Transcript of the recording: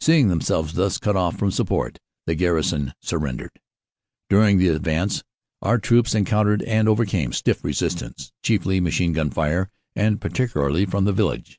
Seeing themselves thus cut off from support, the garrison surrendered. During the advance our troops encountered and overcame stiff resistance, chiefly machine gun fire and particularly from the village.